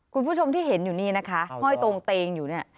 คุณผู้ชมที่เห็นอยู่นี่นะคะห้อยตรงเตงอยู่เนี่ย